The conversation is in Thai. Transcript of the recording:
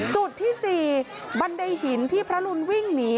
จุดที่๔บันไดหินที่พระรุนวิ่งหนี